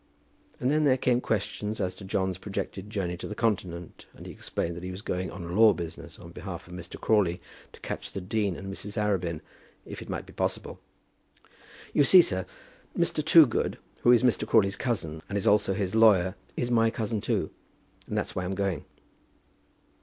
And then there came questions as to John's projected journey to the Continent, and he explained that he was going on law business, on behalf of Mr. Crawley, to catch the dean and Mrs. Arabin, if it might be possible. "You see, sir, Mr. Toogood, who is Mr. Crawley's cousin, and also his lawyer, is my cousin, too; and that's why I'm going."